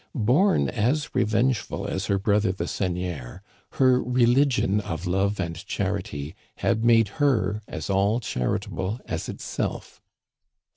Bom as revengeful as her brother the seigneur, her re ligion of love and charity had made her as all charitable as itself.